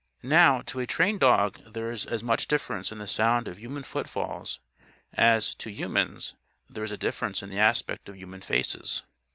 Now, to a trained dog there is as much difference in the sound of human footfalls as, to humans, there is a difference in the aspect of human faces.